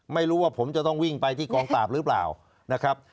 ไม่รู้ว่าผมจะต้องวิ่งไปที่กองปราบหรือเปล่านะครับ